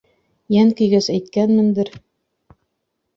Йән көйгәс, әйткәнмендер.